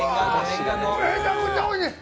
めちゃくちゃおいしい！